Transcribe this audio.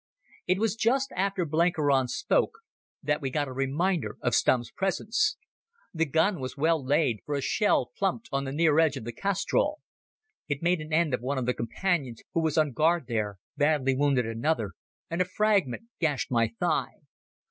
It was just after Blenkiron spoke that we got a reminder of Stumm's presence. The gun was well laid, for a shell plumped on the near edge of the castro. It made an end of one of the Companions who was on guard there, badly wounded another, and a fragment gashed my thigh.